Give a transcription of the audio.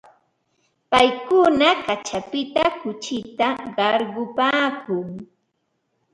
Paykuna kaćhapita kuchita qarqupaakun.